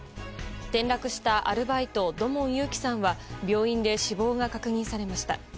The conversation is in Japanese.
転落したアルバイト土門祐生さんは病院で死亡が確認されました。